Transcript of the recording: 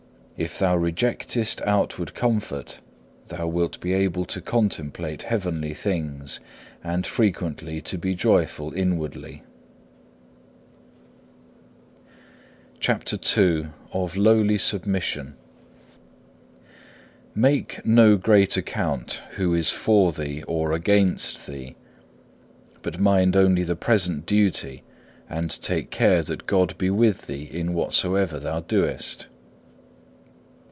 If thou rejectest outward comfort thou wilt be able to contemplate heavenly things and frequently to be joyful inwardly. (1) Luke xvii. 21. (2) John xiv. 23. (3) Hebrews xiii. 14. CHAPTER II Of lowly submission Make no great account who is for thee or against thee, but mind only the present duty and take care that God be with thee in whatsoever thou doest.